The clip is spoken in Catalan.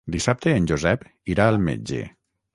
Dissabte en Josep irà al metge.